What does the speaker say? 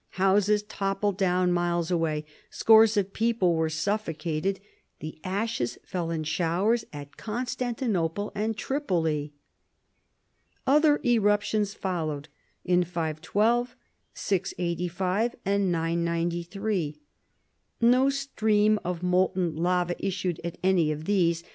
Houses toppled down miles away. Scores of people were suffocated. The ashes fell in showers at Constantinople and Tripoli. Other eruptions followed in 512, 685, and 993. No stream of molten lava issued at any of these.